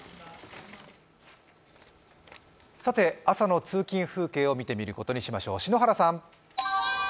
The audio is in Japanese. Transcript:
さて、朝の通勤風景を見てみることにしましょう。